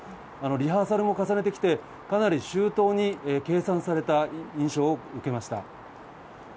リハーサルも重ねてきてかなり周到に計算された印象を受けました。